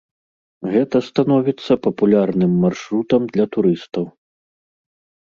Гэта становіцца папулярным маршрутам для турыстаў.